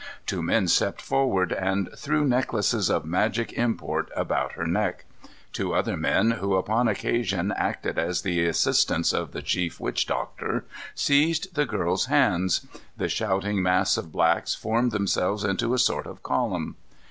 Two men stepped forward and threw necklaces of magic import about her neck. Two other men who upon occasion acted as the assistants of the chief witch doctor seized the girl's hands. The shouting mass of blacks formed themselves into a sort of column.